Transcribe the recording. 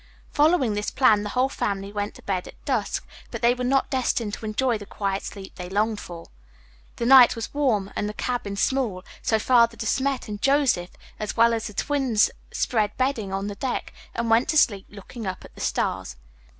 Following this plan, the whole family went to bed at dusk, but they were not destined to enjoy the quiet sleep they longed for. The night was warm, and the cabin small, so Father De Smet and Joseph, as well as the Twins, spread bedding on the deck and went to sleep looking up at the stars.